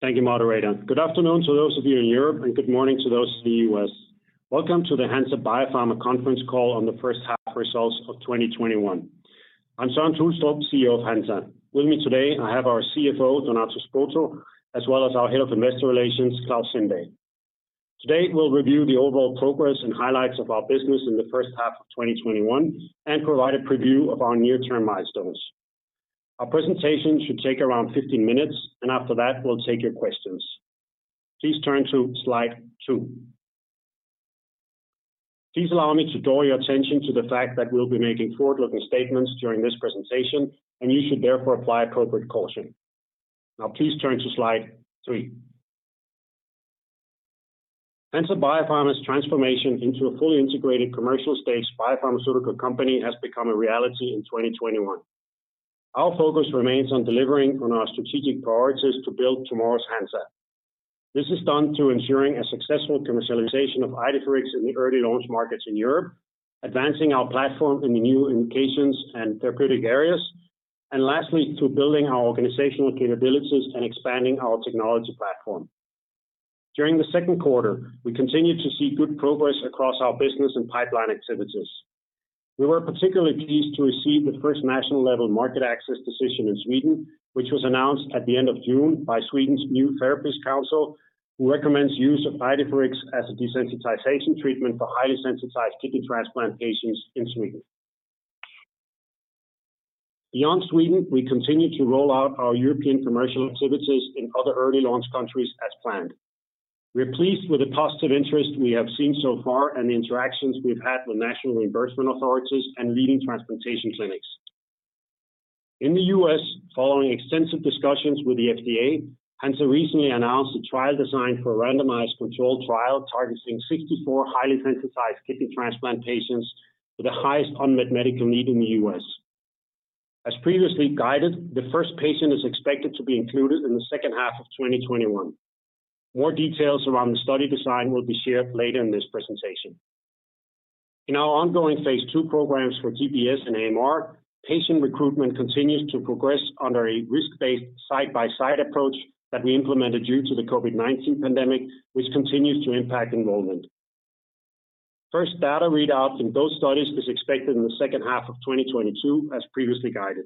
Thank you, moderator. Good afternoon to those of you in Europe, and good morning to those in the U.S. Welcome to the Hansa Biopharma conference call on the first half results of 2021. I'm Søren Tulstrup, CEO of Hansa. With me today, I have our CFO, Donato Spota, as well as our Head of Investor Relations, Klaus Sindahl. Today, we'll review the overall progress and highlights of our business in the first half of 2021 and provide a preview of our near-term milestones. Our presentation should take around 15 minutes, and after that, we'll take your questions. Please turn to slide two. Please allow me to draw your attention to the fact that we'll be making forward-looking statements during this presentation, and you should therefore apply appropriate caution. Please turn to slide three. Hansa Biopharma's transformation into a fully integrated commercial-stage biopharmaceutical company has become a reality in 2021. Our focus remains on delivering on our strategic priorities to build tomorrow's Hansa. This is done through ensuring a successful commercialization of Idefirix in the early launch markets in Europe, advancing our platform in the new indications and therapeutic areas, and lastly, through building our organizational capabilities and expanding our technology platform. During the second quarter, we continued to see good progress across our business and pipeline activities. We were particularly pleased to receive the first national-level market access decision in Sweden, which was announced at the end of June by Sweden's New Therapies Council, who recommends use of Idefirix as a desensitization treatment for highly sensitized kidney transplant patients in Sweden. Beyond Sweden, we continue to roll out our European commercial activities in other early launch countries as planned. We're pleased with the positive interest we have seen so far and the interactions we've had with national reimbursement authorities and leading transplantation clinics. In the U.S., following extensive discussions with the FDA, Hansa recently announced a trial design for a randomized controlled trial targeting 64 highly sensitized kidney transplant patients with the highest unmet medical need in the U.S. As previously guided, the first patient is expected to be included in the second half of 2021. More details around the study design will be shared later in this presentation. In our ongoing Phase II programs for GBS and AMR, patient recruitment continues to progress under a risk-based side-by-side approach that we implemented due to the COVID-19 pandemic, which continues to impact enrollment. First data readouts in those studies is expected in the second half of 2022, as previously guided.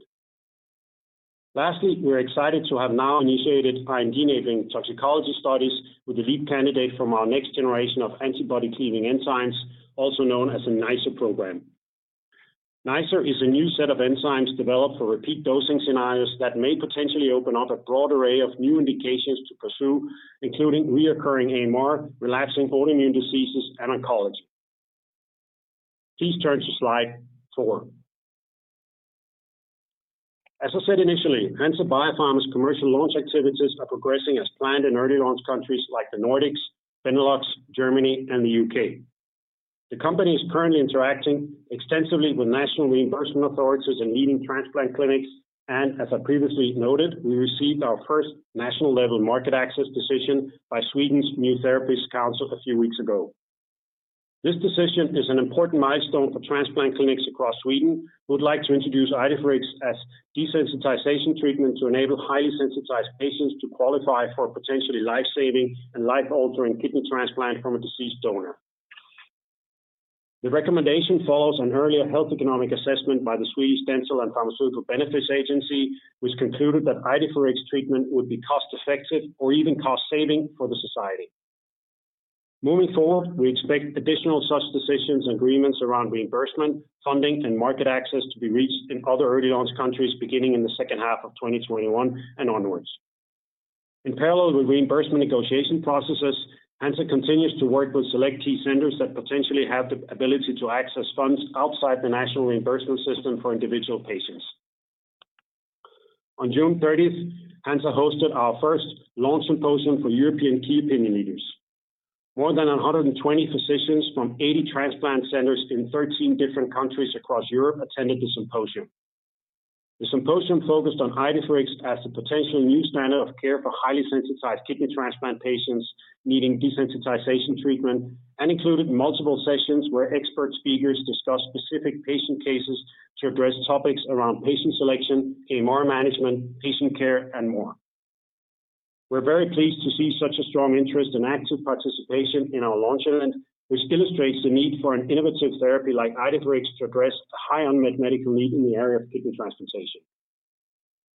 Lastly, we are excited to have now initiated pioneering toxicology studies with the lead candidate from our next generation of antibody cleaning enzymes, also known as the NiceR program. NiceR is a new set of enzymes developed for repeat dosing scenarios that may potentially open up a broad array of new indications to pursue, including reoccurring AMR, relapsing autoimmune diseases, and oncology. Please turn to slide four. As I said initially, Hansa Biopharma's commercial launch activities are progressing as planned in early launch countries like the Nordics, Benelux, Germany, and the U.K. The company is currently interacting extensively with national reimbursement authorities and leading transplant clinics, and as I previously noted, we received our first national-level market access decision by Sweden's New Therapies Council a few weeks ago. This decision is an important milestone for transplant clinics across Sweden who would like to introduce Idefirix as desensitization treatment to enable highly sensitized patients to qualify for potentially life-saving and life-altering kidney transplant from a deceased donor. The recommendation follows an earlier health economic assessment by the Swedish Dental and Pharmaceutical Benefits Agency, which concluded that Idefirix treatment would be cost-effective or even cost-saving for the society. Moving forward, we expect additional such decisions and agreements around reimbursement, funding, and market access to be reached in other early launch countries beginning in the second half of 2021 and onwards. In parallel with reimbursement negotiation processes, Hansa continues to work with select key centers that potentially have the ability to access funds outside the national reimbursement system for individual patients. On June 30th, Hansa hosted our first launch symposium for European key opinion leaders. More than 120 physicians from 80 transplant centers in 13 different countries across Europe attended the symposium. The symposium focused on Idefirix as the potential new standard of care for highly sensitized kidney transplant patients needing desensitization treatment and included multiple sessions where expert speakers discussed specific patient cases to address topics around patient selection, AMR management, patient care, and more. We're very pleased to see such a strong interest and active participation in our launch event, which illustrates the need for an innovative therapy like Idefirix to address the high unmet medical need in the area of kidney transplantation.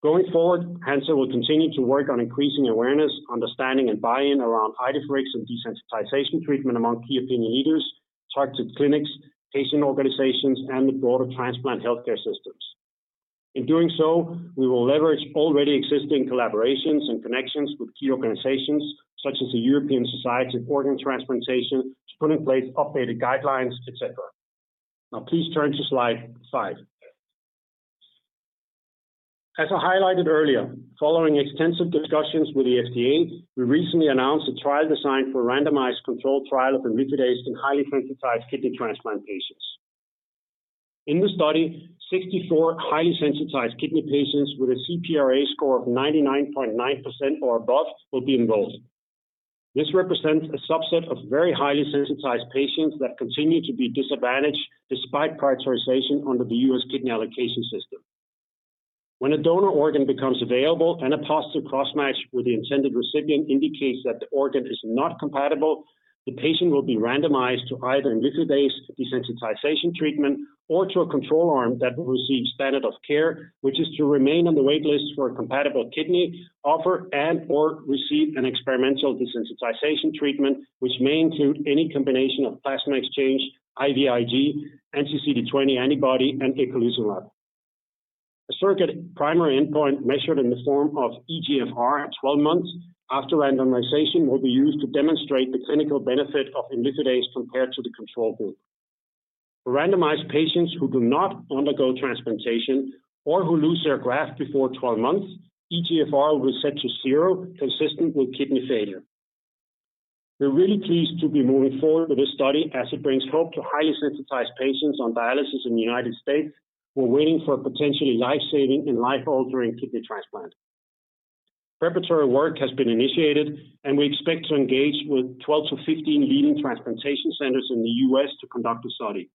Going forward, Hansa will continue to work on increasing awareness, understanding, and buy-in around Idefirix and desensitization treatment among key opinion leaders, targeted clinics, patient organizations, and the broader transplant healthcare systems. In doing so, we will leverage already existing collaborations and connections with key organizations such as the European Society for Organ Transplantation to put in place updated guidelines, et cetera. Please turn to slide five. As I highlighted earlier, following extensive discussions with the FDA, we recently announced a trial design for a randomized controlled trial of imlifidase in highly sensitized kidney transplant patients. In the study, 64 highly sensitized kidney patients with a CPRA score of 99.9% or above will be enrolled. This represents a subset of very highly sensitized patients that continue to be disadvantaged despite prioritization under the U.S. kidney allocation system. When a donor organ becomes available and a positive cross-match with the intended recipient indicates that the organ is not compatible, the patient will be randomized to either imlifidase desensitization treatment or to a control arm that will receive standard of care, which is to remain on the wait list for a compatible kidney offer and/or receive an experimental desensitization treatment, which may include any combination of plasma exchange, IVIG, anti-CD20 antibody, and eculizumab. A surrogate primary endpoint measured in the form of eGFR at 12 months after randomization will be used to demonstrate the clinical benefit of imlifidase compared to the control group. For randomized patients who do not undergo transplantation or who lose their graft before 12 months, eGFR will set to zero, consistent with kidney failure. We're really pleased to be moving forward with this study as it brings hope to highly sensitized patients on dialysis in the United States who are waiting for a potentially lifesaving and life-altering kidney transplant. Preparatory work has been initiated. We expect to engage with 12-15 leading transplantation centers in the U.S. to conduct the study.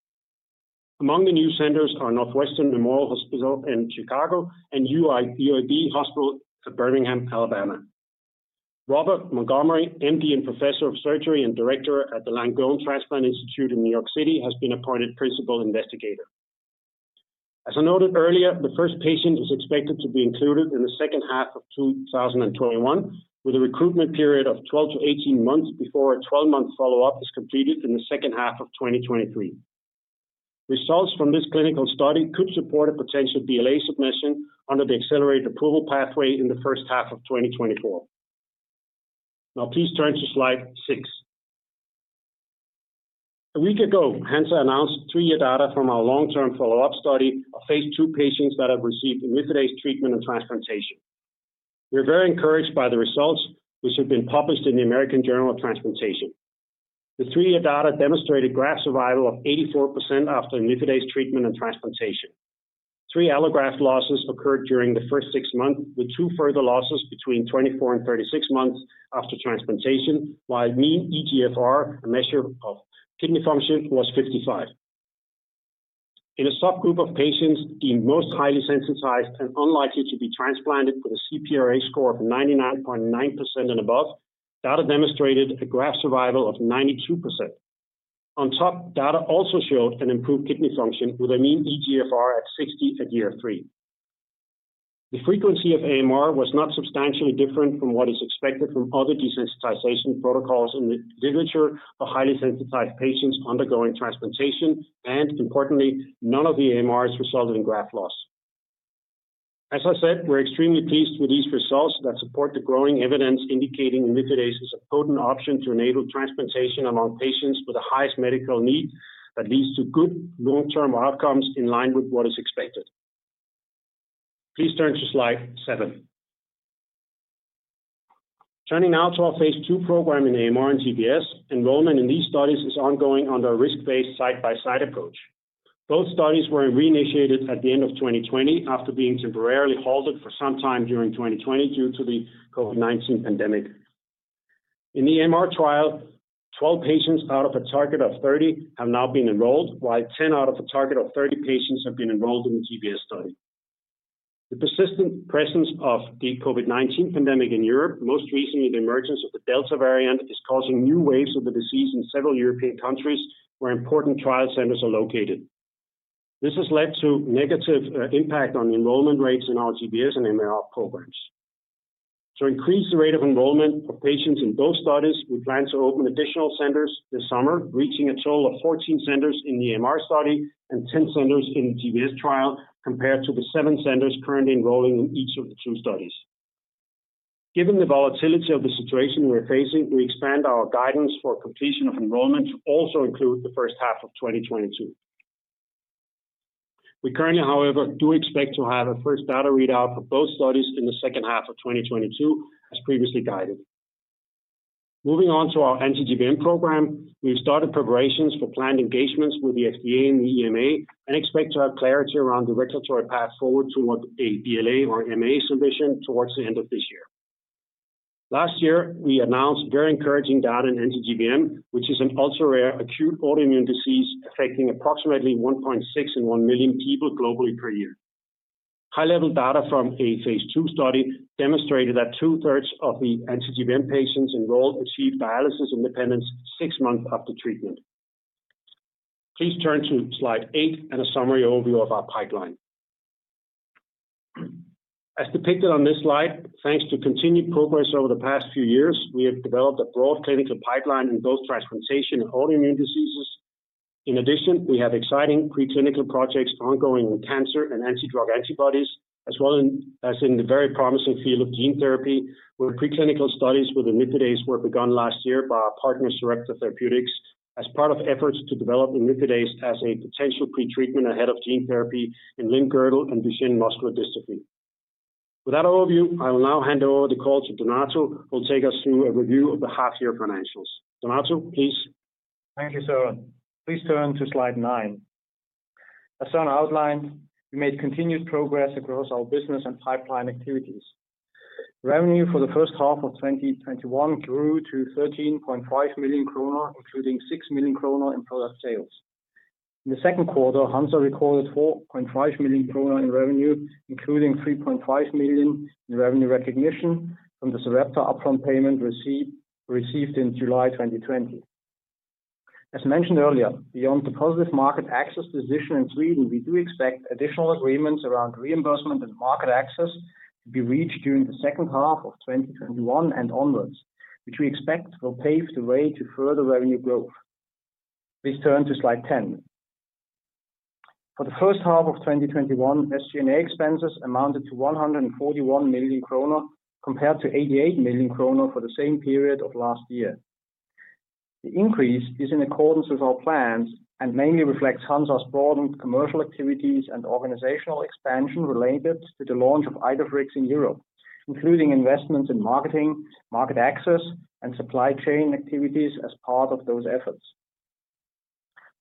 Among the new centers are Northwestern Memorial Hospital in Chicago and UAB Hospital at Birmingham, Alabama. Robert Montgomery, M.D. and professor of surgery and Director at the Langone Transplant Institute in New York City, has been appointed principal investigator. As I noted earlier, the first patient is expected to be included in the second half of 2021, with a recruitment period of 12 to 18 months before a 12-month follow-up is completed in the second half of 2023. Results from this clinical study could support a potential BLA submission under the accelerated approval pathway in the first half of 2024. Please turn to slide six. A week ago, Hansa announced three-year data from our long-term follow-up study of phase II patients that have received imlifidase treatment and transplantation. We are very encouraged by the results, which have been published in the American Journal of Transplantation. The three-year data demonstrated graft survival of 84% after imlifidase treatment and transplantation. Three allograft losses occurred during the first six months, with two further losses between 24 and 36 months after transplantation, while mean eGFR, a measure of kidney function, was 55. In a subgroup of patients deemed most highly sensitized and unlikely to be transplanted with a CPRA score of 99.9% and above, data demonstrated a graft survival of 92%. On top, data also showed an improved kidney function with a mean eGFR at 60 at year three. The frequency of AMR was not substantially different from what is expected from other desensitization protocols in the literature of highly sensitized patients undergoing transplantation. Importantly, none of the AMRs resulted in graft loss. As I said, we are extremely pleased with these results that support the growing evidence indicating imlifidase is a potent option to enable transplantation among patients with the highest medical need that leads to good long-term outcomes in line with what is expected. Please turn to slide seven. Turning now to our phase II program in AMR and GBS, enrollment in these studies is ongoing under a risk-based side-by-side approach. Both studies were reinitiated at the end of 2020 after being temporarily halted for some time during 2020 due to the COVID-19 pandemic. In the AMR trial, 12 patients out of a target of 30 have now been enrolled, while 10 out of a target of 30 patients have been enrolled in the GBS study. The persistent presence of the COVID-19 pandemic in Europe, most recently the emergence of the Delta variant, is causing new waves of the disease in several European countries where important trial centers are located. This has led to negative impact on enrollment rates in our GBS and AMR programs. To increase the rate of enrollment for patients in both studies, we plan to open additional centers this summer, reaching a total of 14 centers in the AMR study and 10 centers in the GBS trial, compared to the seven centers currently enrolling in each of the two studies. Given the volatility of the situation we're facing, we expand our guidance for completion of enrollment to also include the first half of 2022. We currently, however, do expect to have a first data readout for both studies in the second half of 2022, as previously guided. Moving on to our anti-GBM program, we have started preparations for planned engagements with the FDA and the EMA and expect to have clarity around the regulatory path forward towards a BLA or MA submission towards the end of this year. Last year, we announced very encouraging data in anti-GBM, which is an ultra-rare acute autoimmune disease affecting approximately 1.6 in 1 million people globally per year. High-level data from a phase II study demonstrated that two-thirds of the anti-GBM patients enrolled achieved dialysis independence six months after treatment. Please turn to slide eight and a summary overview of our pipeline. As depicted on this slide, thanks to continued progress over the past few years, we have developed a broad clinical pipeline in both transplantation and autoimmune diseases. In addition, we have exciting preclinical projects ongoing with cancer and anti-drug antibodies, as well as in the very promising field of gene therapy, where preclinical studies with imlifidase work begun last year by our partner, Sarepta Therapeutics, as part of efforts to develop imlifidase as a potential pretreatment ahead of gene therapy in limb-girdle and Duchenne muscular dystrophy. With that overview, I will now hand over the call to Donato, who will take us through a review of the half-year financials. Donato, please. Thank you, Søren. Please turn to slide nine. As Søren outlined, we made continued progress across our business and pipeline activities. Revenue for the first half of 2021 grew to 13.5 million kronor, including 6 million kronor in product sales. In the second quarter, Hansa recorded 4.5 million kronor in revenue, including 3.5 million in revenue recognition from the Sarepta upfront payment received in July 2020. As mentioned earlier, beyond the positive market access decision in Sweden, we do expect additional agreements around reimbursement and market access to be reached during the second half of 2021 and onwards, which we expect will pave the way to further revenue growth. Please turn to slide 10. For the first half of 2021, SG&A expenses amounted to 141 million kronor, compared to 88 million kronor for the same period of last year. The increase is in accordance with our plans and mainly reflects Hansa's broadened commercial activities and organizational expansion related to the launch of Idefirix in Europe, including investments in marketing, market access, and supply chain activities as part of those efforts.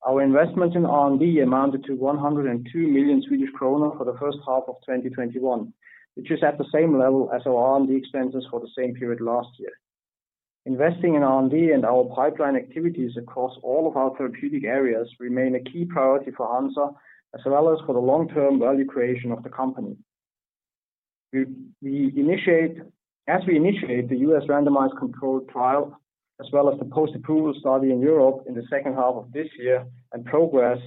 Our investment in R&D amounted to 102 million Swedish kronor for the first half of 2021, which is at the same level as our R&D expenses for the same period last year. Investing in R&D and our pipeline activities across all of our therapeutic areas remain a key priority for Hansa, as well as for the long-term value creation of the company. As we initiate the U.S. randomized controlled trial, as well as the post-approval study in Europe in the second half of this year, and progress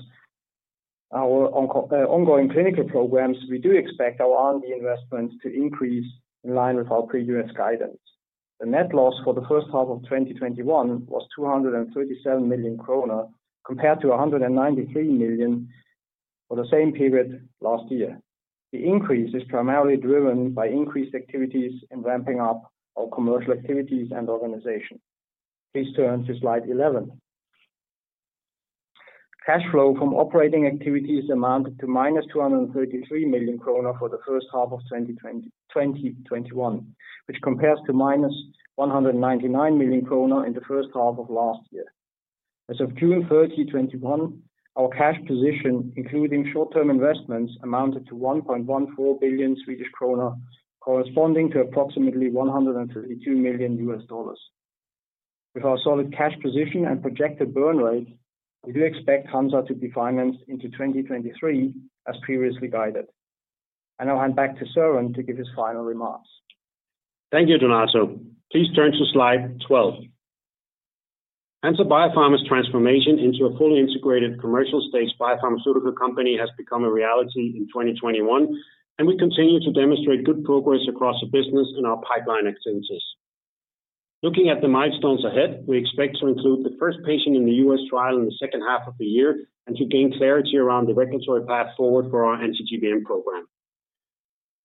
our ongoing clinical programs, we do expect our R&D investments to increase in line with our previous guidance. The net loss for the first half of 2021 was 237 million kronor, compared to 193 million for the same period last year. The increase is primarily driven by increased activities in ramping up our commercial activities and organization. Please turn to slide 11. Cash flow from operating activities amounted to -233 million kronor for the first half of 2021, which compares to -199 million kronor in the first half of last year. As of June 30, 2021, our cash position, including short-term investments, amounted to 1.14 billion Swedish kronor, corresponding to approximately $132 million. With our solid cash position and projected burn rate, we do expect Hansa to be financed into 2023 as previously guided. I'll hand back to Søren to give his final remarks. Thank you, Donato. Please turn to slide 12. Hansa Biopharma's transformation into a fully integrated commercial-stage biopharmaceutical company has become a reality in 2021, and we continue to demonstrate good progress across the business and our pipeline activities. Looking at the milestones ahead, we expect to include the first patient in the U.S. trial in the second half of the year, and to gain clarity around the regulatory path forward for our anti-GBM program.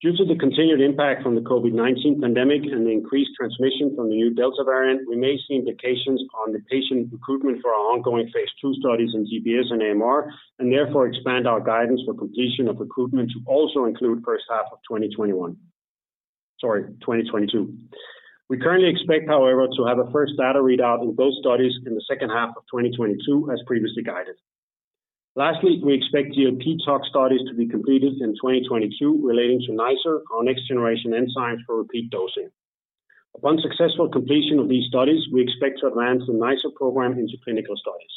Due to the continued impact from the COVID-19 pandemic and the increased transmission from the new Delta variant, we may see implications on the patient recruitment for our ongoing phase II studies in GBS and AMR, and therefore expand our guidance for completion of recruitment to also include first half of 2021. Sorry, 2022. We currently expect, however, to have a first data readout in both studies in the second half of 2022, as previously guided. Lastly, we expect GLP tox studies to be completed in 2022 relating to NiceR, our next-generation enzyme for repeat dosing. Upon successful completion of these studies, we expect to advance the NiceR program into clinical studies.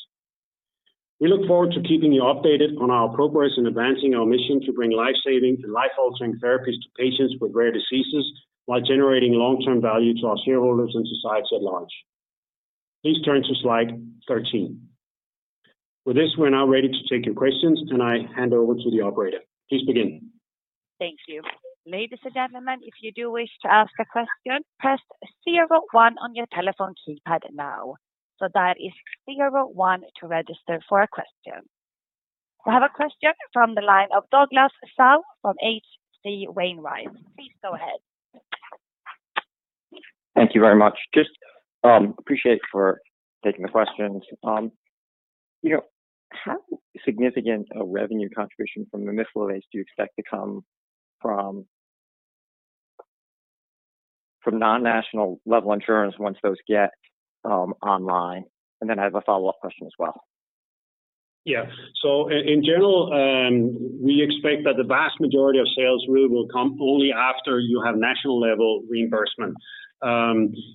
We look forward to keeping you updated on our progress in advancing our mission to bring life-saving and life-altering therapies to patients with rare diseases, while generating long-term value to our shareholders and society at large. Please turn to slide 13. With this, we're now ready to take your questions, and I hand over to the operator. Please begin. Thank you. Ladies and gentlemen, if you do wish to ask a question, press zero one on your telephone keypad now. That is zero one to register for a question. I have a question from the line of Douglas Tsao from H.C. Wainwright. Please go ahead. Thank you very much. Just appreciate for taking the questions. How significant a revenue contribution from imlifidase do you expect to come from non-national level insurance once those get online? Then I have a follow-up question as well. Yeah. In general, we expect that the vast majority of sales really will come only after you have national level reimbursement.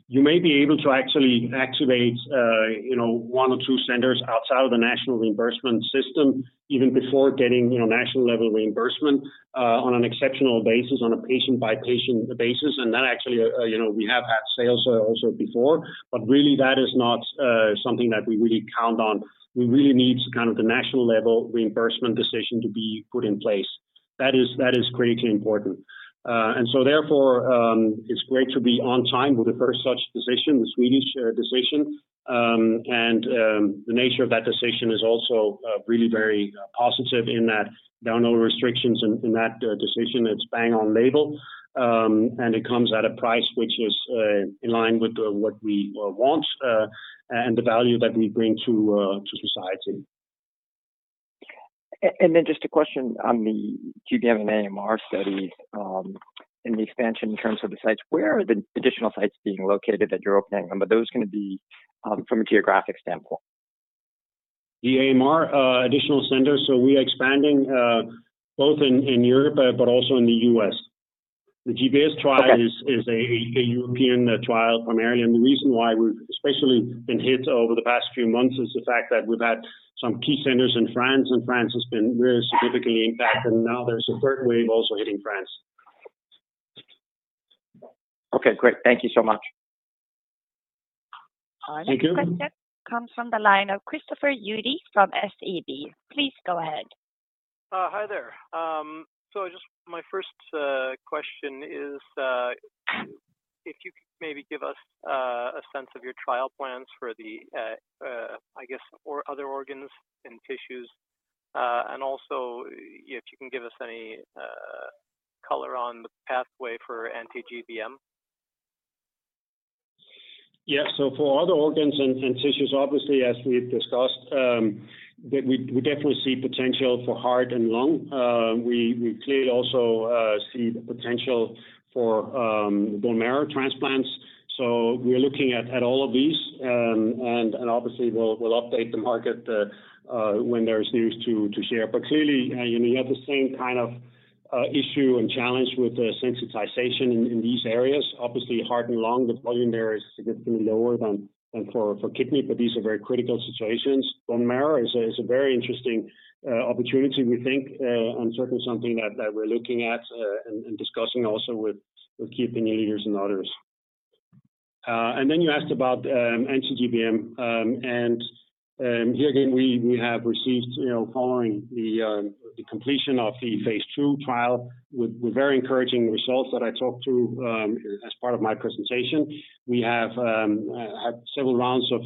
You may be able to actually activate one or two centers outside of the national reimbursement system, even before getting national level reimbursement on an exceptional basis, on a patient-by-patient basis. That actually, we have had sales also before, but really that is not something that we really count on. We really need kind of the national level reimbursement decision to be put in place. That is critically important. Therefore, it's great to be on time with the first such decision, the Swedish decision. The nature of that decision is also really very positive in that there are no restrictions in that decision. It's bang on label. It comes at a price which is in line with what we want, and the value that we bring to society. Just a question on the GBM and AMR studies. In the expansion in terms of the sites, where are the additional sites being located that you're opening? Are those going to be from a geographic standpoint? The AMR additional centers. We are expanding both in Europe but also in the U.S. The GBS trial- Okay Is a European trial primarily. The reason why we've especially been hit over the past few months is the fact that we've had some key centers in France, and France has been really significantly impacted, and now there's a third wave also hitting France. Okay, great. Thank you so much. Thank you. Our next question comes from the line of Christopher Uhde from SEB. Please go ahead. Hi there. Just my first question is if you could maybe give us a sense of your trial plans for the, I guess, other organs and tissues, and also if you can give us any color on the pathway for anti-GBM? Yeah. For other organs and tissues, obviously, as we've discussed, that we definitely see potential for heart and lung. We clearly also see the potential for bone marrow transplants. We are looking at all of these, and obviously, we'll update the market when there's news to share. Clearly, you have the same kind of issue and challenge with sensitization in these areas. Obviously, heart and lung, the volume there is significantly lower than for kidney, but these are very critical situations. Bone marrow is a very interesting opportunity, we think, and certainly something that we're looking at and discussing also with key opinion leaders and others. You asked about anti-GBM, and here again, we have received following the completion of the phase II trial with very encouraging results that I talked to as part of my presentation. We have had several rounds of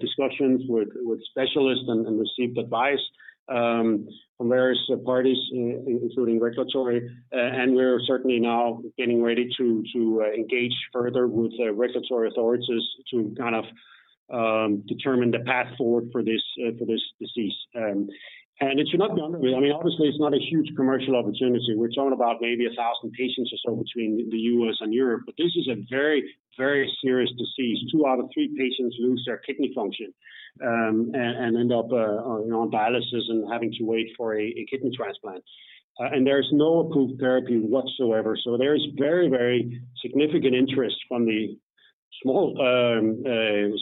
discussions with specialists and received advice from various parties, including regulatory. We're certainly now getting ready to engage further with regulatory authorities to kind of determine the path forward for this disease. It should not be underrated. Obviously, it's not a huge commercial opportunity. We're talking about maybe 1,000 patients or so between the U.S. and Europe. This is a very, very serious disease. Two out of three patients lose their kidney function and end up on dialysis and having to wait for a kidney transplant. There is no approved therapy whatsoever. There is very, very significant interest from the small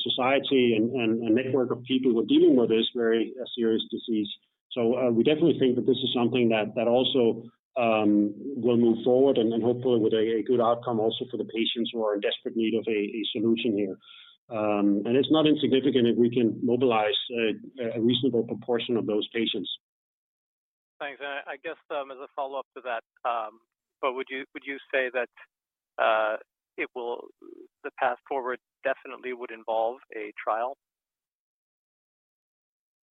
society and network of people who are dealing with this very serious disease. We definitely think that this is something that also will move forward, and then hopefully with a good outcome also for the patients who are in desperate need of a solution here. It's not insignificant if we can mobilize a reasonable proportion of those patients. Thanks. I guess as a follow-up to that, but would you say that the path forward definitely would involve a trial?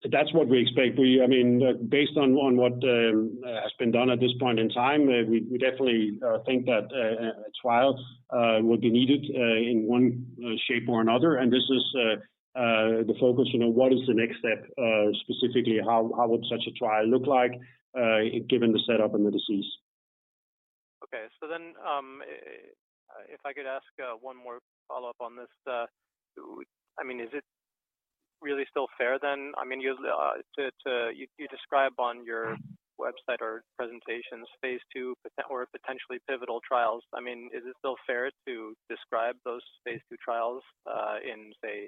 That's what we expect. Based on what has been done at this point in time, we definitely think that a trial will be needed in one shape or another. This is the focus, what is the next step, specifically how would such a trial look like given the setup and the disease. If I could ask one more follow-up on this. Is it really still fair then, you describe on your website or presentations phase II or potentially pivotal trials? Is it still fair to describe those phase II trials in, say,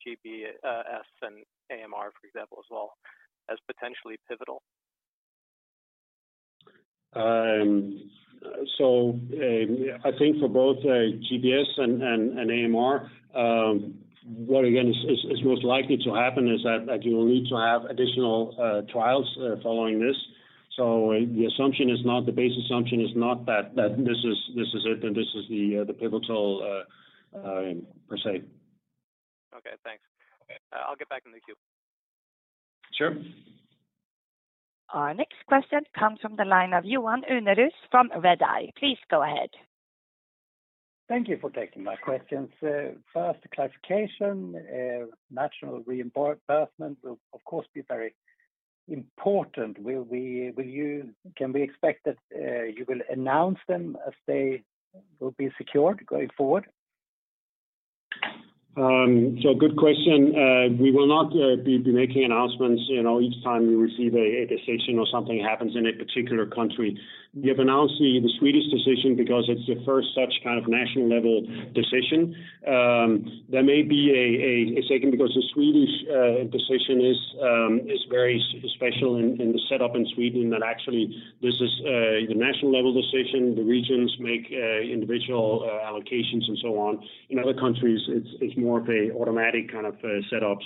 GBS and AMR, for example, as well as potentially pivotal? I think for both GBS and AMR, what again is most likely to happen is that you will need to have additional trials following this. The assumption is not, the base assumption is not that this is it, and this is the pivotal per se. Okay, thanks. I'll get back in the queue. Sure. Our next question comes from the line of Johan Unnérus from Redeye. Please go ahead. Thank you for taking my questions. Clarification, national reimbursement will, of course, be very important. Can we expect that you will announce them as they will be secured going forward? Good question. We will not be making announcements each time we receive a decision or something happens in a particular country. We have announced the Swedish decision because it's the first such kind of national-level decision. There may be a second because the Swedish decision is very special in the setup in Sweden that actually this is a national-level decision. The regions make individual allocations and so on. In other countries, it's more of an automatic kind of setup.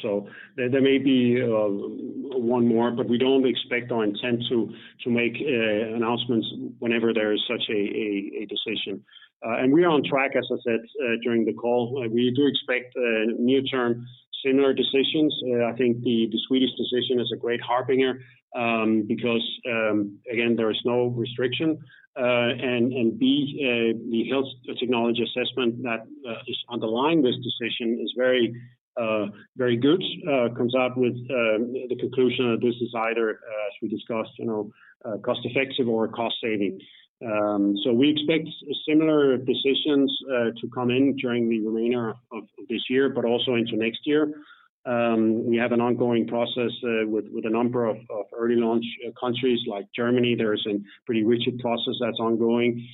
There may be one more, but we don't expect or intend to make announcements whenever there is such a decision. We are on track, as I said during the call. We do expect near-term similar decisions. I think the Swedish decision is a great harbinger because, again, there is no restriction. B, the health technology assessment that is underlying this decision is very good. Comes out with the conclusion that this is either as we discussed, cost-effective or cost-saving. We expect similar decisions to come in during the remainder of this year but also into next year. We have an ongoing process with a number of early launch countries like Germany. There is a pretty rigid process that's ongoing.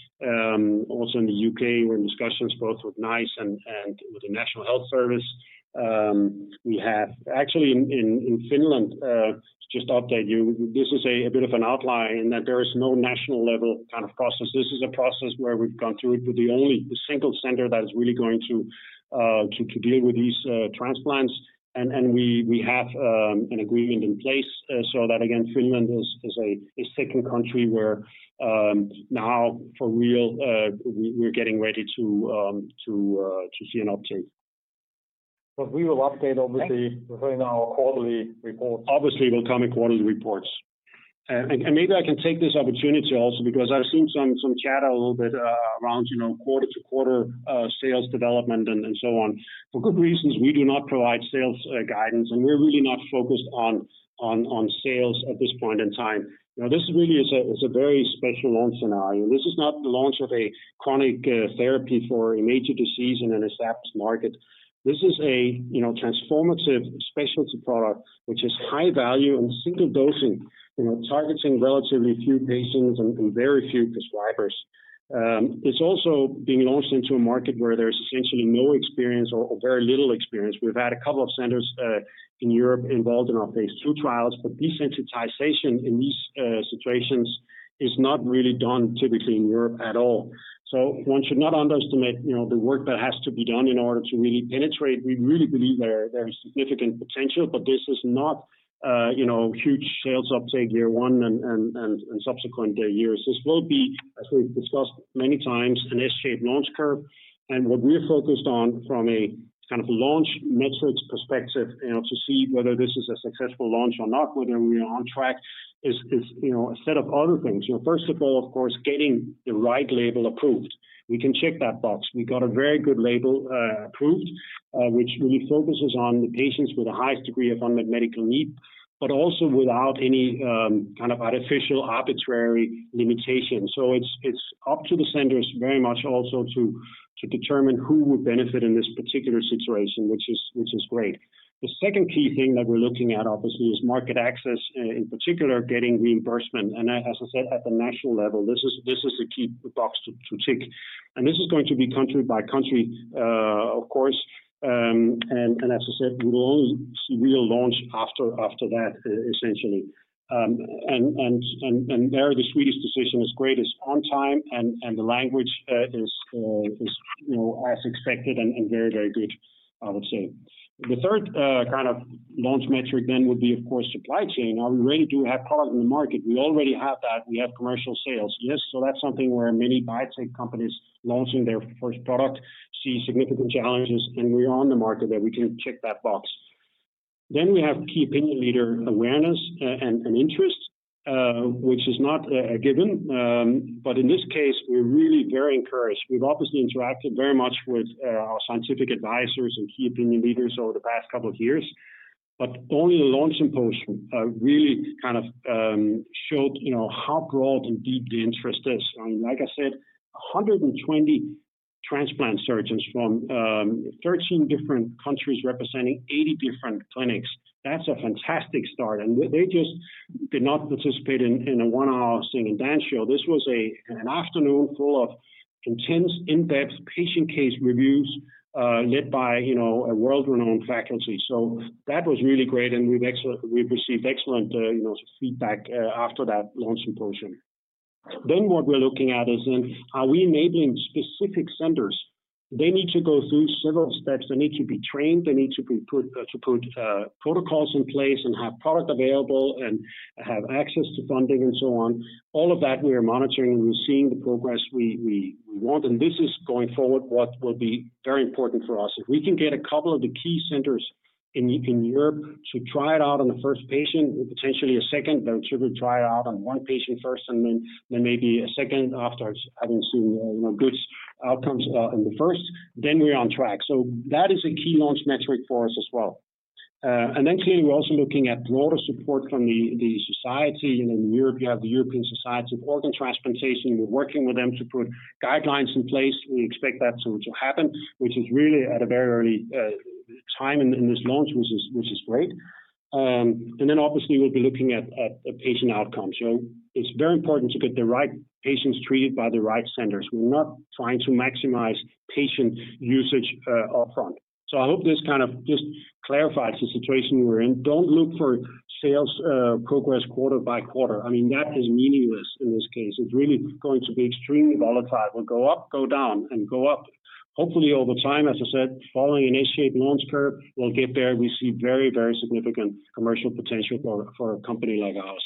Also in the U.K., we're in discussions both with NICE and with the National Health Service. We have actually in Finland, just to update you, this is a bit of an outline that there is no national level kind of process. This is a process where we've gone through it with the only single center that is really going to deal with these transplants, and we have an agreement in place so that again, Finland is a second country where now for real we're getting ready to see an uptake. We will update obviously during our quarterly reports. Obviously, it will come in quarterly reports. Maybe I can take this opportunity also because I've seen some chatter a little bit around quarter-to-quarter sales development and so on. For good reasons, we do not provide sales guidance, and we're really not focused on sales at this point in time. This really is a very special launch scenario. This is not the launch of a chronic therapy for a major disease in an established market. This is a transformative specialty product, which is high value and single dosing, targeting relatively few patients and very few prescribers. It's also being launched into a market where there's essentially no experience or very little experience. We've had a couple of centers in Europe involved in our phase II trials, but desensitization in these situations is not really done typically in Europe at all. One should not underestimate the work that has to be done in order to really penetrate. We really believe there is significant potential, but this is not huge sales uptake year one and subsequent years. This will be, as we've discussed many times, an S-shaped launch curve. What we are focused on from a kind of launch metrics perspective to see whether this is a successful launch or not, whether we are on track is a set of other things. First of all, of course, getting the right label approved. We can check that box. We got a very good label approved, which really focuses on the patients with the highest degree of unmet medical need, but also without any kind of artificial arbitrary limitations. It's up to the centers very much also to determine who would benefit in this particular situation, which is great. The second key thing that we're looking at obviously is market access, in particular getting reimbursement. As I said, at the national level, this is a key box to tick. This is going to be country by country, of course. As I said, we will only see real launch after that, essentially. There, the Swedish decision is great, it's on time, and the language is as expected and very good, I would say. The third kind of launch metric then would be, of course, supply chain. Are we ready? Do we have product in the market? We already have that. We have commercial sales. That's something where many biotech companies launching their first product see significant challenges, and we are on the market there. We can check that box. We have key opinion leader awareness and interest, which is not a given. In this case, we're really very encouraged. We've obviously interacted very much with our scientific advisors and key opinion leaders over the past couple of years, but only the launch symposium really kind of showed how broad and deep the interest is. I mean, like I said, 120 transplant surgeons from 13 different countries representing 80 different clinics. That's a fantastic start. They just did not participate in a one-hour sing and dance show. This was an afternoon full of intense in-depth patient case reviews led by a world-renowned faculty. That was really great, and we've received excellent feedback after that launch symposium. What we're looking at is are we enabling specific centers? They need to go through several steps. They need to be trained. They need to put protocols in place and have product available and have access to funding and so on. All of that we are monitoring and we're seeing the progress we want. This is going forward what will be very important for us. If we can get a couple of the key centers in Europe to try it out on the first patient and potentially a second. They should try it out on one patient first and then maybe a second after having seen good outcomes in the first, then we are on track. That is a key launch metric for us as well. Then clearly, we're also looking at broader support from the society. In Europe you have the European Society for Organ Transplantation. We're working with them to put guidelines in place. We expect that to happen, which is really at a very early time in this launch, which is great. Then obviously we'll be looking at patient outcomes. It's very important to get the right patients treated by the right centers. We're not trying to maximize patient usage upfront. I hope this kind of just clarifies the situation we're in. Don't look for sales progress quarter by quarter. I mean, that is meaningless in this case. It's really going to be extremely volatile. It will go up, go down, and go up. Hopefully over time, as I said, following an S-shaped launch curve, we'll get there. We see very, very significant commercial potential for a company like ours.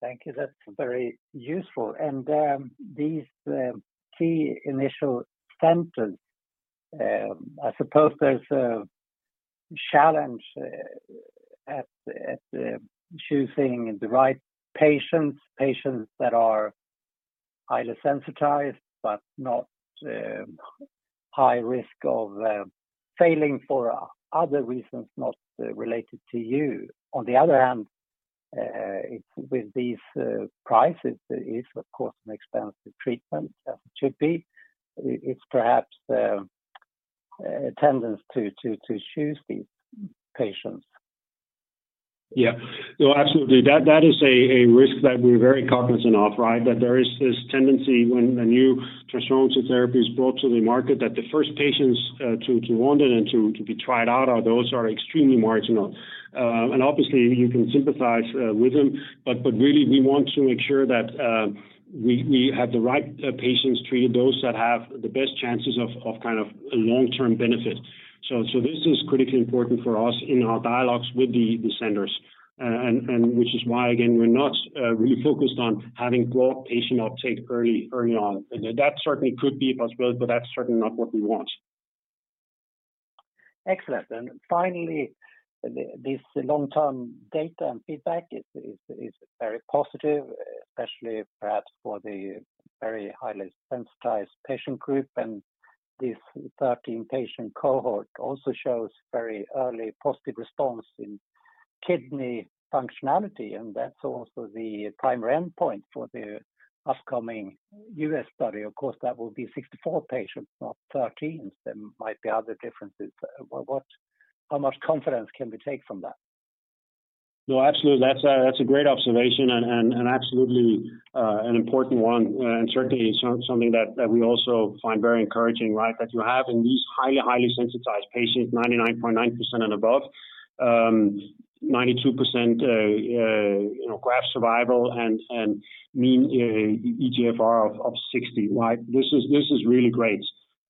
Thank you. That's very useful. These key initial centers, I suppose there's a challenge at choosing the right patients that are either sensitized but not high risk of failing for other reasons not related to you. On the other hand, with these prices, it is of course an expensive treatment, as it should be. It's perhaps a tendency to choose these patients. Yeah. No, absolutely. That is a risk that we're very cognizant of, right? That there is this tendency when a new transformative therapy is brought to the market, that the first patients to want it and to be tried out are those who are extremely marginal. Obviously you can sympathize with them. Really, we want to make sure that we have the right patients treated, those that have the best chances of long-term benefit. This is critically important for us in our dialogues with the centers, and which is why, again, we're not really focused on having broad patient uptake early on. That certainly could be a possibility, but that's certainly not what we want. Excellent. Finally, this long-term data and feedback is very positive, especially perhaps for the very highly sensitized patient group. This 13-patient cohort also shows very early positive response in kidney functionality, and that's also the primary endpoint for the upcoming U.S. study. Of course, that will be 64 patients, not 13. There might be other differences. How much confidence can we take from that? No, absolutely. That's a great observation and absolutely an important one, and certainly something that we also find very encouraging, right? That you have in these highly sensitized patients, 99.9% and above, 92% graft survival and mean eGFR of 60. This is really great.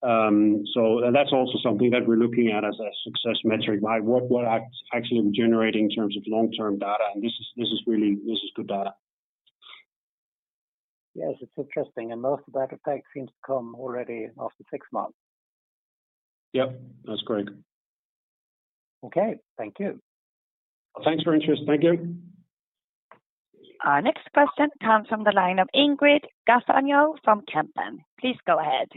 That's also something that we're looking at as a success metric, right? What we're actually generating in terms of long-term data, and this is good data. Yes, it's interesting. Most of that effect seems to come already after six months. Yep, that's correct. Okay. Thank you. Thanks for your interest. Thank you. Our next question comes from the line of Ingrid Gafanhão from Kempen. Please go ahead.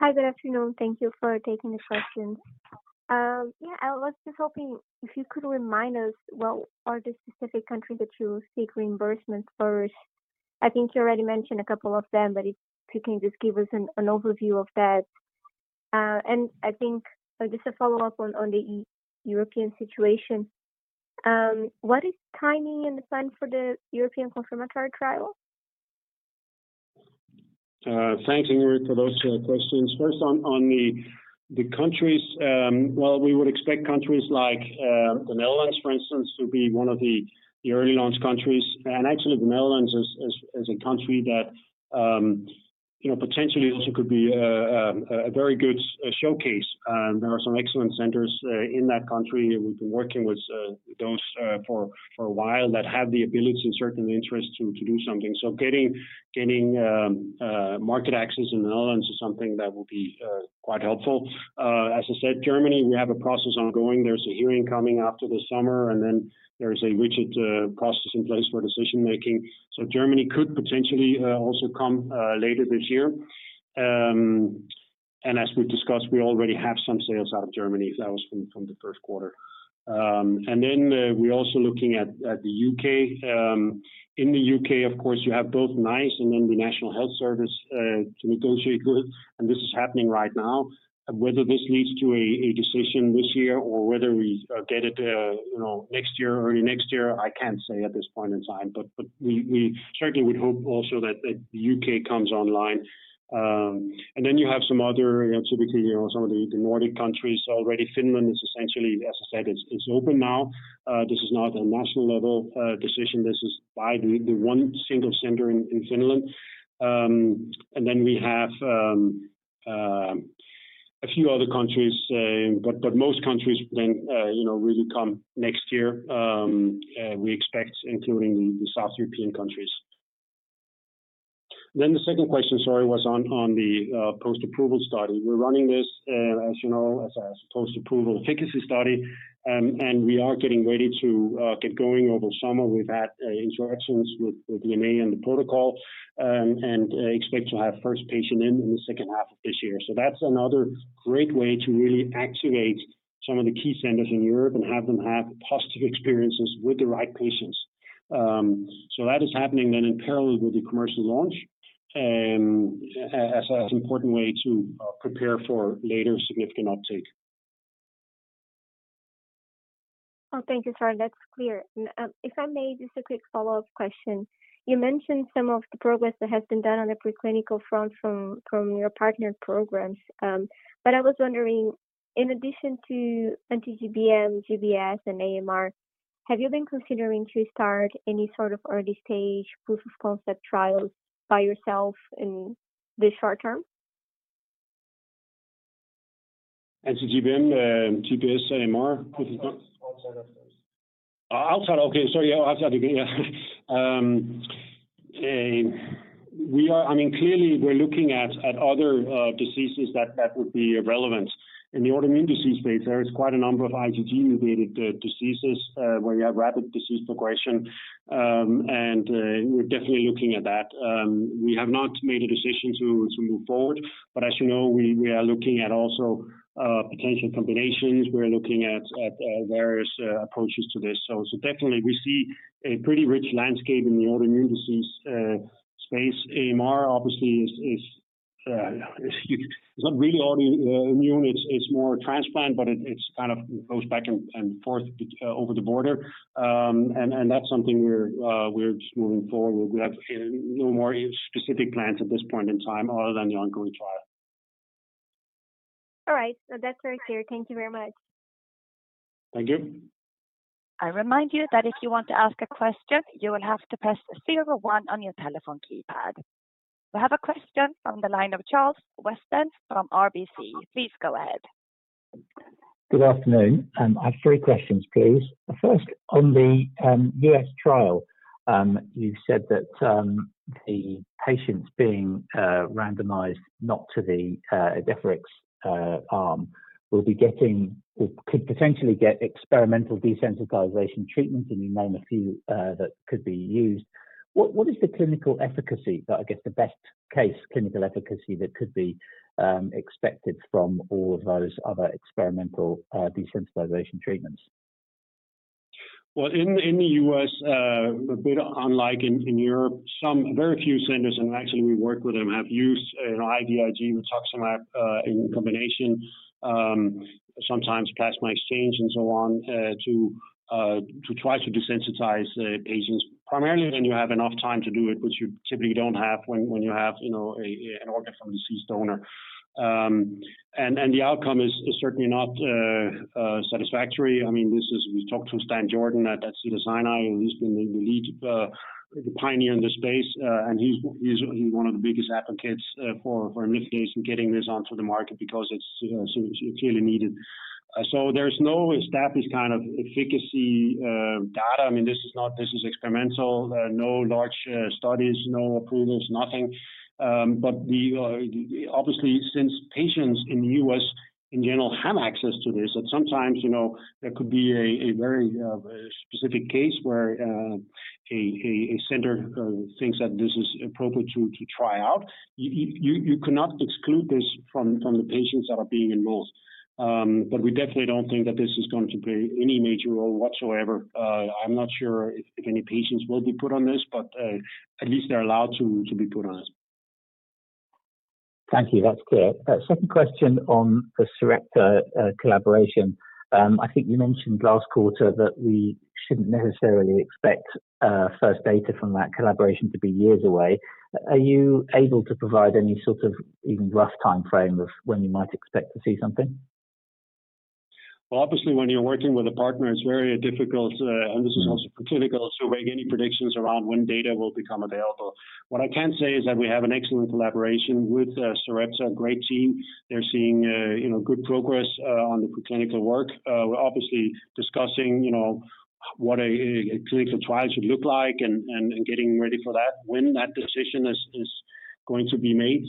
Hi. Good afternoon. Thank you for taking the question. Yeah, I was just hoping if you could remind us, what are the specific countries that you seek reimbursement first? I think you already mentioned a couple of them, but if you can just give us an overview of that. I think just a follow-up on the European situation. What is timing and the plan for the European confirmatory trial? Thanks, Ingrid, for those questions. First, on the countries, well, we would expect countries like the Netherlands, for instance, to be one of the early launch countries. Actually, the Netherlands is a country that potentially also could be a very good showcase. There are some excellent centers in that country. We've been working with those for a while that have the ability and certainly interest to do something. Getting market access in the Netherlands is something that will be quite helpful. As I said, Germany, we have a process ongoing. There's a hearing coming after the summer, and then there is a rigid process in place for decision-making. Germany could potentially also come later this year. As we've discussed, we already have some sales out of Germany. That was from the first quarter. Then we're also looking at the U.K. In the U.K., of course, you have both NICE and then the National Health Service to negotiate with, and this is happening right now. Whether this leads to a decision this year or whether we get it next year, early next year, I can't say at this point in time. We certainly would hope also that the U.K. comes online. You have some other, typically some of the Nordic countries already. Finland is essentially, as I said, it's open now. This is not a national-level decision. This is by the one single center in Finland. We have a few other countries, but most countries will then really come next year, we expect, including the South European countries. The second question, sorry, was on the post-approval study. We're running this, as you know, as a post-approval efficacy study, and we are getting ready to get going over summer. We've had interactions with EMA and the protocol and expect to have first patient in the second half of this year. That's another great way to really actuate some of the key centers in Europe and have them have positive experiences with the right patients. That is happening then in parallel with the commercial launch as an important way to prepare for later significant uptake. Oh, thank you, sorry. That's clear. If I may, just a quick follow-up question. You mentioned some of the progress that has been done on the preclinical front from your partner programs. I was wondering, in addition to anti-GBM, GBS, and AMR, have you been considering to start any sort of early-stage proof of concept trials by yourself in the short term? Anti-GBM, GBS, AMR proof of. Outside of those. Oh, outside. Okay. Sorry. Yeah, outside of it. Yeah. Clearly, we're looking at other diseases that would be relevant. In the autoimmune disease space, there is quite a number of IgG-mediated diseases where you have rapid disease progression, and we're definitely looking at that. We have not made a decision to move forward. As you know, we are looking at also potential combinations. We're looking at various approaches to this. So definitely we see a pretty rich landscape in the autoimmune disease space. AMR obviously is. Yeah, it's not really autoimmune, it's more transplant, but it kind of goes back and forth over the border. That's something we're just moving forward with. We have no more specific plans at this point in time other than the ongoing trial. All right. That's very clear. Thank you very much. Thank you. I remind you that if you want to ask a question, you will have to press zero one on your telephone keypad. We have a question from the line of Charles Weston from RBC. Please go ahead. Good afternoon. I have three questions, please. First, on the U.S. trial, you said that the patients being randomized not to the Idefirix arm could potentially get experimental desensitization treatment, and you named a few that could be used. What is the clinical efficacy, I guess the best-case clinical efficacy that could be expected from all of those other experimental desensitization treatments? Well, in the U.S., a bit unlike in Europe, some very few centers, and actually we work with them, have used an IVIG rituximab in combination, sometimes plasma exchange and so on, to try to desensitize patients. Primarily when you have enough time to do it, which you typically don't have when you have an organ from a deceased donor. The outcome is certainly not satisfactory. We talked to Stanley Jordan at Cedars-Sinai, and he's been the lead pioneer in this space, and he's one of the biggest advocates for imlifidase and getting this onto the market because it's clearly needed. There's no established kind of efficacy data. This is experimental. No large studies, no approvals, nothing. Obviously, since patients in the U.S. in general have access to this, at some times there could be a very specific case where a center thinks that this is appropriate to try out. You cannot exclude this from the patients that are being enrolled. We definitely don't think that this is going to play any major role whatsoever. I'm not sure if any patients will be put on this, but at least they're allowed to be put on it. Thank you. That's clear. Second question on the Sarepta collaboration. I think you mentioned last quarter that we shouldn't necessarily expect first data from that collaboration to be years away. Are you able to provide any sort of even rough timeframe of when we might expect to see something? Well, obviously, when you're working with a partner, it's very difficult, and this is also preclinical, to make any predictions around when data will become available. What I can say is that we have an excellent collaboration with Sarepta, a great team. They're seeing good progress on the preclinical work. We're obviously discussing what a clinical trial should look like and getting ready for that. When that decision is going to be made,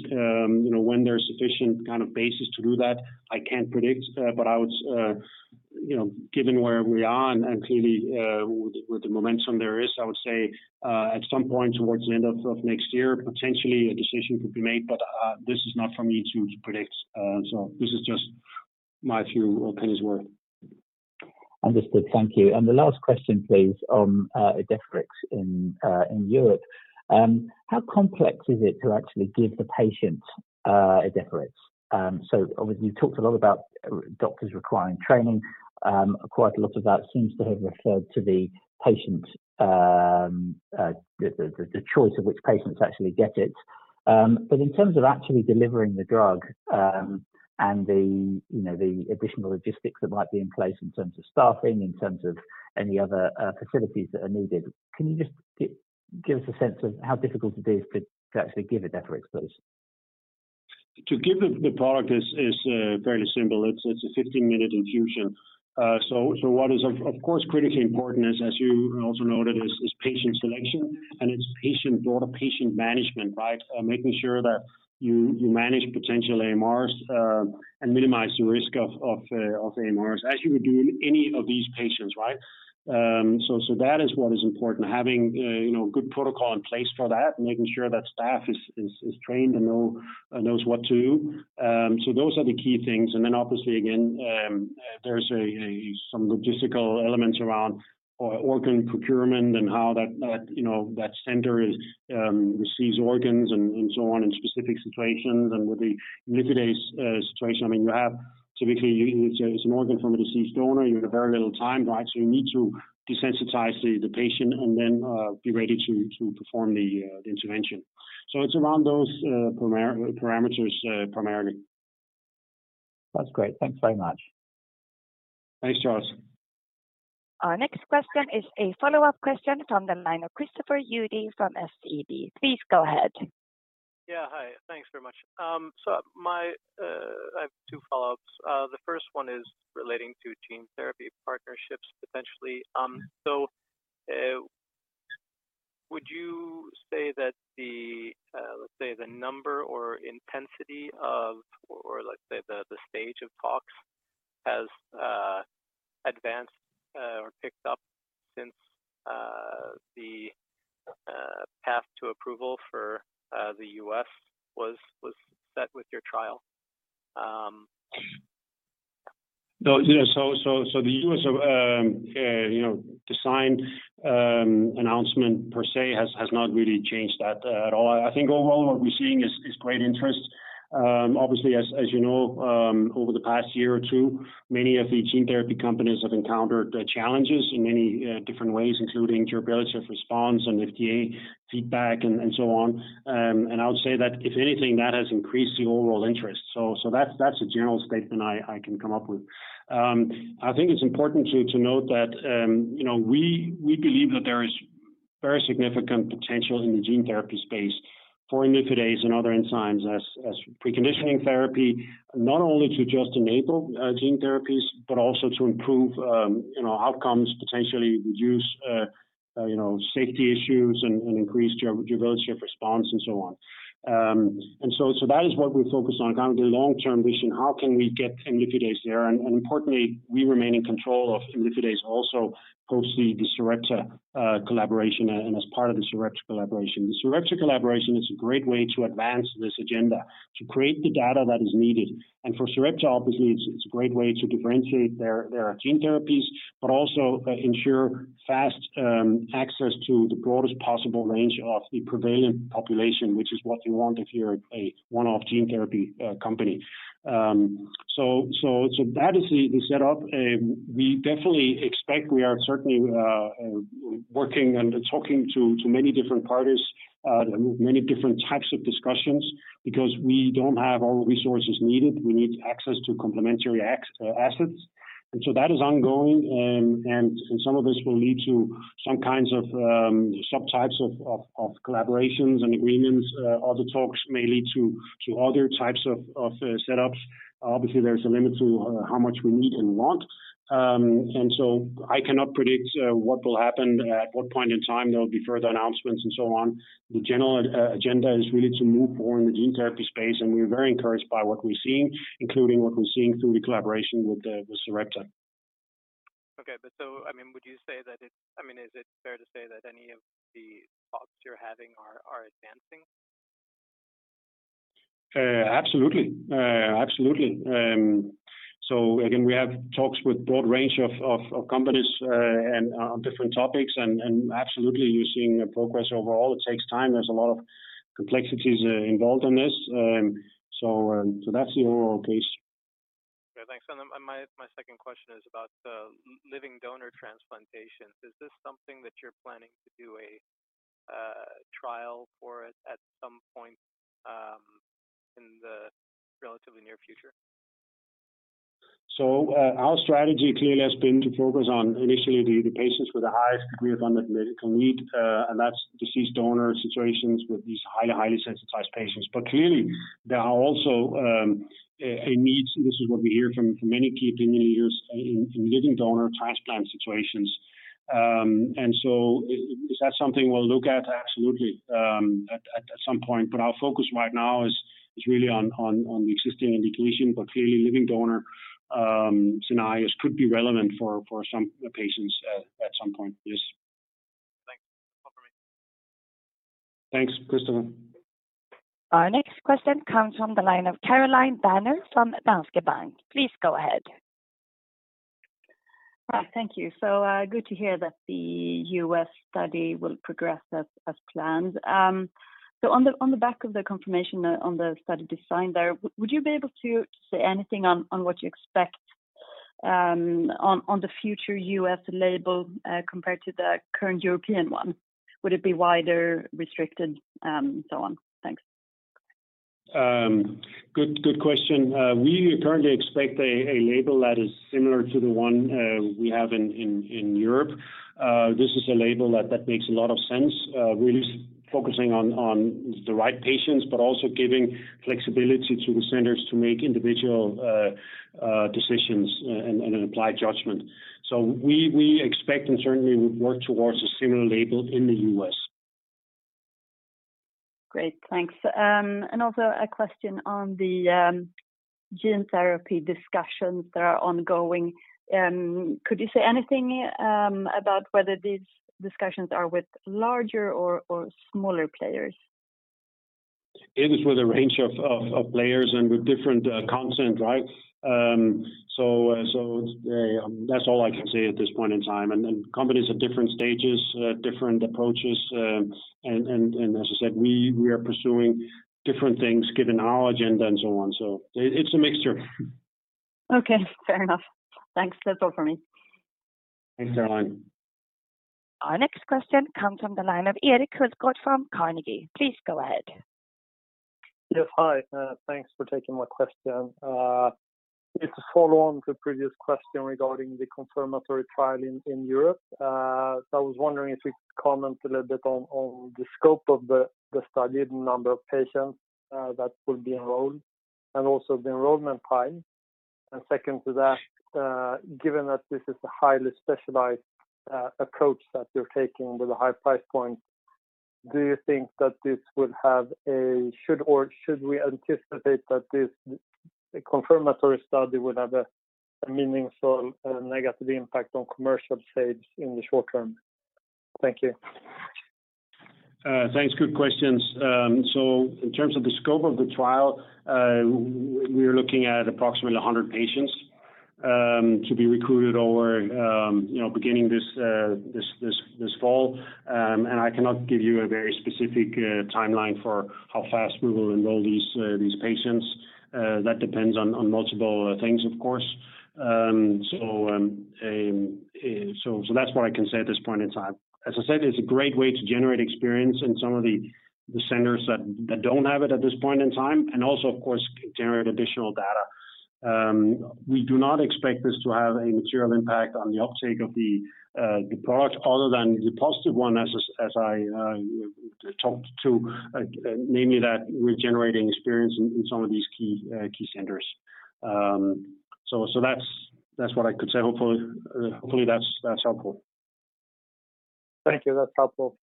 when there's sufficient kind of basis to do that, I can't predict. Given where we are and clearly with the momentum there is, I would say at some point towards the end of next year, potentially a decision could be made. This is not for me to predict. This is just my few pennies worth. Understood. Thank you. The last question, please, on Idefirix in Europe. How complex is it to actually give the patient Idefirix? Obviously, you talked a lot about doctors requiring training. Quite a lot of that seems to have referred to the choice of which patients actually get it. In terms of actually delivering the drug, and the additional logistics that might be in place in terms of staffing, in terms of any other facilities that are needed, can you just give us a sense of how difficult it is to actually give Idefirix, please? To give the product is fairly simple. It's a 15-minute infusion. What is of course critically important is, as you also noted, is patient selection and it's patient management, right? Making sure that you manage potential AMRs, and minimize the risk of AMRs as you would do any of these patients, right? That is what is important, having a good protocol in place for that and making sure that staff is trained and knows what to do. Those are the key things. Obviously, again, there's some logistical elements around organ procurement and how that center receives organs and so on in specific situations. With the Idefirix situation, typically it's an organ from a deceased donor. You have very little time, right? You need to desensitize the patient and then be ready to perform the intervention. It's around those parameters primarily. That's great. Thanks very much. Thanks, Charles. Our next question is a follow-up question from the line of Christopher Uhde from SEB. Please go ahead. Yeah. Hi. Thanks very much. I have two follow-ups. The first one is relating to gene therapy partnerships, potentially. Would you say that the, let's say, the number or intensity of, or let's say the stage of talks has advanced or picked up since the path to approval for the U.S. was set with your trial? The U.S. design announcement per se has not really changed that at all. I think overall what we're seeing is great interest. Obviously, as you know, over the past year or two, many of the gene therapy companies have encountered challenges in many different ways, including durability of response and FDA feedback and so on. I would say that if anything, that has increased the overall interest. That's a general statement I can come up with. I think it's important, too, to note that we believe that there is very significant potential in the gene therapy space for imlifidase and other enzymes as preconditioning therapy, not only to just enable gene therapies, but also to improve outcomes, potentially reduce safety issues and increase durability of response and so on. That is what we focus on, kind of the long-term vision. How can we get imlifidase there? Importantly, we remain in control of imlifidase also post the Sarepta collaboration and as part of the Sarepta collaboration. The Sarepta collaboration is a great way to advance this agenda to create the data that is needed. For Sarepta, obviously, it's a great way to differentiate their gene therapies, but also ensure fast access to the broadest possible range of the prevalent population, which is what you want if you're a one-off gene therapy company. That is the setup. We are certainly working and talking to many different parties, many different types of discussions, because we don't have all the resources needed. We need access to complementary assets. That is ongoing, and some of this will lead to some kinds of subtypes of collaborations and agreements. Other talks may lead to other types of setups. Obviously, there's a limit to how much we need and want. I cannot predict what will happen, at what point in time there will be further announcements and so on. The general agenda is really to move forward in the gene therapy space, and we're very encouraged by what we're seeing, including what we're seeing through the collaboration with Sarepta. Okay. Is it fair to say that any of the talks you're having are advancing? Absolutely. Again, we have talks with broad range of companies and on different topics, and absolutely we're seeing progress overall. It takes time. There's a lot of complexities involved in this. That's the overall case. Yeah, thanks. My second question is about living donor transplantation. Is this something that you're planning to do a trial for it at some point in the relatively near future? Our strategy clearly has been to focus on initially the patients with the highest degree of unmet medical need, and that's deceased donor situations with these highly sensitized patients. Clearly there are also a need, this is what we hear from many people, many years in living donor transplant situations. Is that something we'll look at? Absolutely, at some point, but our focus right now is really on the existing indication. Clearly living donor scenarios could be relevant for some patients at some point. Yes. Thanks. That's all for me. Thanks, Christopher. Our next question comes from the line of Caroline Banér from Danske Bank. Please go ahead. Thank you. Good to hear that the U.S. study will progress as planned. On the back of the confirmation on the study design there, would you be able to say anything on what you expect on the future U.S. label compared to the current European one? Would it be wider, restricted, so on? Thanks. Good question. We currently expect a label that is similar to the one we have in Europe. This is a label that makes a lot of sense, really focusing on the right patients, but also giving flexibility to the centers to make individual decisions and apply judgment. We expect and certainly would work towards a similar label in the U.S. Great, thanks. Also a question on the gene therapy discussions that are ongoing. Could you say anything about whether these discussions are with larger or smaller players? It is with a range of players and with different content, right? That's all I can say at this point in time. Companies at different stages, different approaches, and as I said, we are pursuing different things given our agenda and so on. It's a mixture. Okay, fair enough. Thanks. That's all for me. Thanks, Caroline. Our next question comes from the line of Erik Hultgård from Carnegie. Please go ahead. Yes. Hi. Thanks for taking my question. Just to follow on to previous question regarding the confirmatory trial in Europe. I was wondering if you could comment a little bit on the scope of the study, the number of patients that will be enrolled, and also the enrollment time. Second to that, given that this is a highly specialized approach that you're taking with a high price point, should we anticipate that this confirmatory study will have a meaningful negative impact on commercial sales in the short term? Thank you. Thanks. Good questions. In terms of the scope of the trial, we are looking at approximately 100 patients to be recruited over beginning this fall. I cannot give you a very specific timeline for how fast we will enroll these patients. That depends on multiple things, of course. That's what I can say at this point in time. As I said, it's a great way to generate experience in some of the centers that don't have it at this point in time, and also, of course, can generate additional data. We do not expect this to have a material impact on the uptake of the product other than the positive one as I talked to, namely that we're generating experience in some of these key centers. That's what I could say. Hopefully that's helpful. Thank you. That's helpful.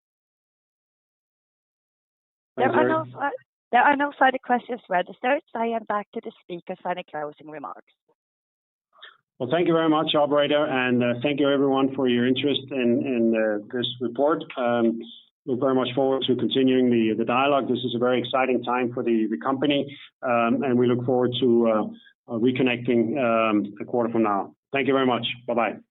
Thank you very much. There are no further questions registered, so I hand back to the speaker for any closing remarks. Thank you very much, operator. Thank you everyone for your interest in this report. We look very much forward to continuing the dialogue. This is a very exciting time for the company. We look forward to reconnecting a quarter from now. Thank you very much. Bye-bye.